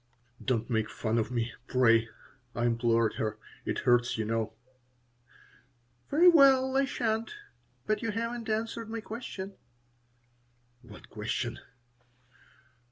"Don't make fun of me, pray," I implored her. "It hurts, you know." "Very well, I sha'n't. But you haven't answered my question." "What question?"